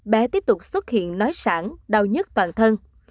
bé tiếp tục xuất hiện nói sản đau nhất toàn thân